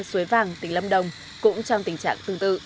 suối vàng tỉnh lâm đồng cũng trong tình trạng tương tự